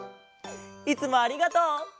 いつもありがとう！